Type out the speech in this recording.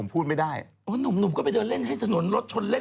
มันไม่ได้มีอะไรทับสร้อน